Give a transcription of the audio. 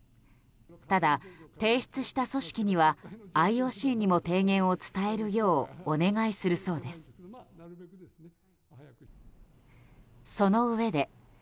ただ、提出した組織にはＩＯＣにも提言を伝えるようお願いするそうです。